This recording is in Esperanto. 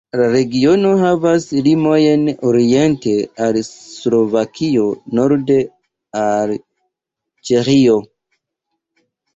La regiono havas limojn oriente al Slovakio, norde al Ĉeĥio.